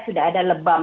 sudah ada lebam